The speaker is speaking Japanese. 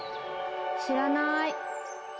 知らない。